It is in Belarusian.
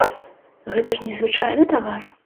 Гэта ж не звычайны тавар.